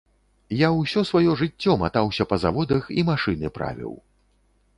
Я ўсё сваё жыццё матаўся па заводах і машыны правіў.